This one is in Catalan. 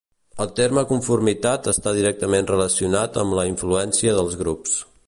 El terme conformitat està directament relacionat amb la influència dels grups.